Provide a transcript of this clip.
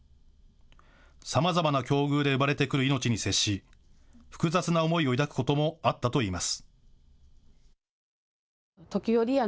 さまざまな境遇で生まれてくる命に接し、複雑な思いを抱くこともあったといいます。